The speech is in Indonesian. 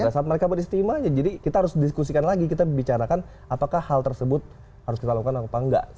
pada saat mereka beristimewa jadi kita harus diskusikan lagi kita bicarakan apakah hal tersebut harus kita lakukan apa enggak